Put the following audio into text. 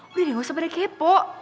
udah deh gak usah pada kepo